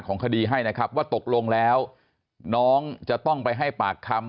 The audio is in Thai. คดีให้นะครับว่าตกลงแล้วน้องจะต้องไปให้ปากคำ